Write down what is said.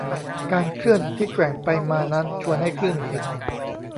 การเคลื่อนที่แกว่งไปมานั้นชวนให้คลื่นเหียน